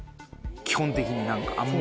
基本的に何かあんまり。